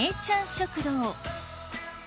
食堂